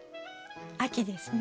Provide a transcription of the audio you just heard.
秋ですね。